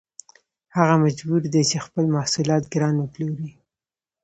هغه مجبور دی چې خپل محصولات ګران وپلوري